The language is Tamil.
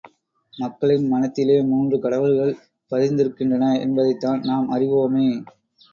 மக்களின் மனத்திலே மூன்று கடவுள்கள் பதிந்திருக்கின்றன என்பதைத்தான் நாம் அறிவோமே!